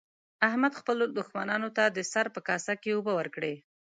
احمد خپلو دوښمنانو ته د سره په کاسه کې اوبه ورکړې.